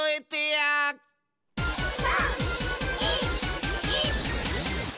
３２１！